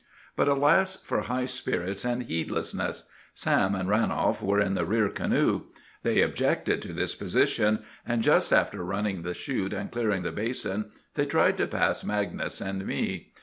But alas for high spirits and heedlessness! Sam and Ranolf were in the rear canoe. They objected to this position; and just after running the shoot and clearing the basin, they tried to pass Magnus and me.